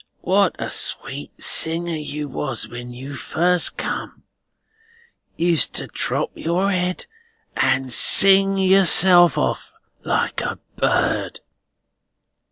What a sweet singer you was when you first come! Used to drop your head, and sing yourself off like a bird!